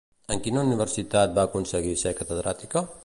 En quina universitat va aconseguir ser catedràtica?